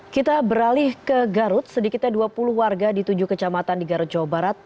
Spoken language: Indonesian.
kita beralih ke garut sedikitnya dua puluh warga di tujuh kecamatan di garut jawa barat